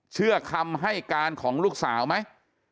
เชื่อคำให้การของลูกสาวไหม